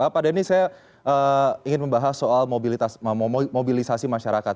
pak denny saya ingin membahas soal mobilisasi masyarakat